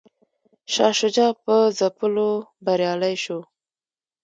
شاه شجاع په ځپلو بریالی شو.